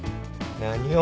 何を！？